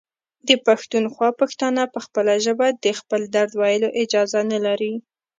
د پښتونخوا پښتانه په خپله ژبه د خپل درد ویلو اجازه نلري.